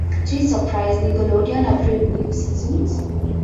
To his surprise Nickelodeon approved new seasons.